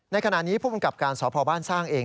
ในขณะนี้ผู้บังกับการสพบ้านสร้างเอง